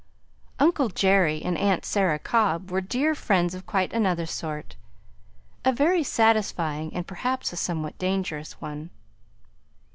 "Uncle Jerry" and "aunt Sarah" Cobb were dear friends of quite another sort, a very satisfying and perhaps a somewhat dangerous one.